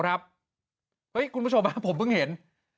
เฮ้ยคุณผู้ชมมาผมเพิ่งเห็น